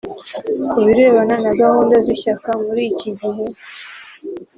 Ku birebana na gahunda z’ishyaka muri iki gihe